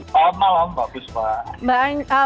selamat malam bagus pak